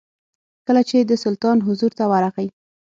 کله چې د سلطان حضور ته ورغی.